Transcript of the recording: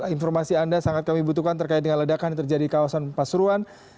informasi anda sangat kami butuhkan terkait dengan ledakan yang terjadi di kawasan pasuruan